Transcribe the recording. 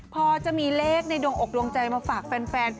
พอจะมีเลขในดวงอกดวงใจมาฝากแฟน